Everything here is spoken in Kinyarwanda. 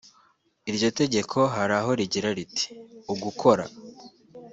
Iryo tegeko hari aho rigira riti “Ugukora